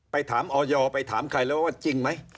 ไปถามออยไปถามใครแล้วว่าจริงไหม